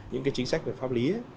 những cái chính sách về pháp lý